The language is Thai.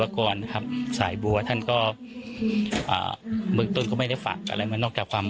ข่อสิวะกรณ์ครับสายบัวมุมต้นไม่ได้ฝากอะไรนอกจากความ